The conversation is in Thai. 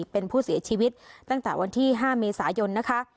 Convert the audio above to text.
เป็นผู้เสียชีวิตตั้งแต่วันที่๕เมษายนนะคะ